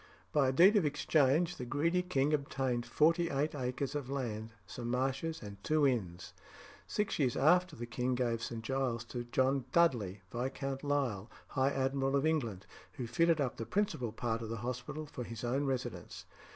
By a deed of exchange the greedy king obtained forty eight acres of land, some marshes, and two inns. Six years after the king gave St. Giles's to John Dudley, Viscount Lisle, High Admiral of England, who fitted up the principal part of the hospital for his own residence.